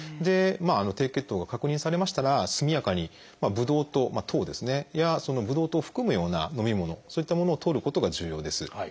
低血糖が確認されましたら速やかにブドウ糖糖ですねやそのブドウ糖を含むような飲み物そういったものをとることが重要です。